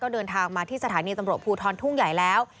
เดินทางมาที่สถานีตำรวจภูทรทุ่งใหญ่แล้ว